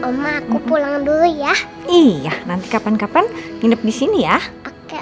hai om aku pulang dulu ya iya nanti kapan kapan hidup di sini ya oke